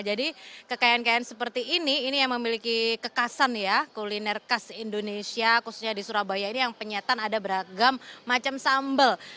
jadi kekayaan kekayaan seperti ini ini yang memiliki kekasan ya kuliner khas indonesia khususnya di surabaya ini yang penyataan ada beragam macam sambel